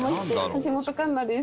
橋本環奈です。